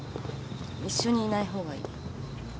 一緒にいない方がいい。